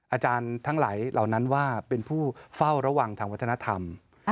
อาจารย์ทั้งหลายเหล่านั้นว่าเป็นผู้เฝ้าระวังทางวัฒนธรรม